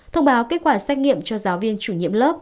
thông báo kết quả xét nghiệm cho giáo viên chủ nhiệm lớp